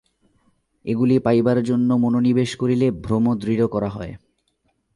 এগুলি পাইবার জন্য মনোনিবেশ করিলে ভ্রম দৃঢ় করা হয়।